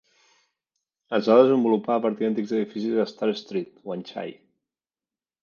Es va desenvolupar a partir d'antics edificis a Star Street, Wan Chai.